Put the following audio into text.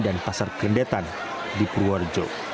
dan pasar kendetan di purworejo